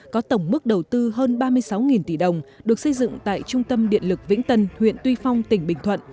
có tổng mức đầu tư hơn ba mươi sáu tỷ đồng được xây dựng tại trung tâm điện lực vĩnh tân huyện tuy phong tỉnh bình thuận